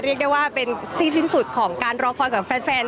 เรียกได้ว่าเป็นที่สิ้นสุดของการรอคอยของแฟน